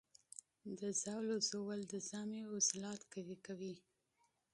د ژاولې ژوول د ژامې عضلات قوي کوي.